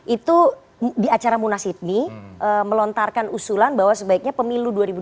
itu di acara munasidni melontarkan usulan bahwa sebaiknya pemilu dua ribu dua puluh dua